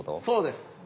そうです。